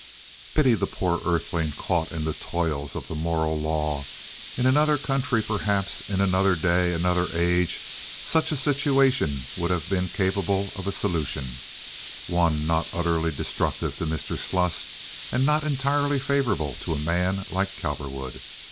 Pity the poor earthling caught in the toils of the moral law. In another country, perhaps, in another day, another age, such a situation would have been capable of a solution, one not utterly destructive to Mr. Sluss, and not entirely favorable to a man like Cowperwood.